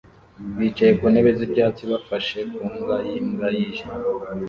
bicaye ku ntebe z'ibyatsi bafashe ku mbwa y'imbwa yijimye